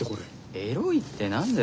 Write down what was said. エロいって何だよ。